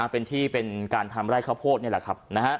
เป็นที่เป็นการทำไร่ข้าวโพดนี่แหละครับ